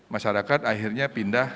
masyarakat akhirnya pindah